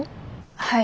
はい。